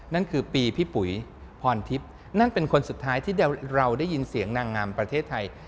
นั่นคือปีพี่ปุ๋ยพรทิพย์นั่นเป็นคนสุดท้ายที่เราได้ยินเสียงนางงามประเทศไทย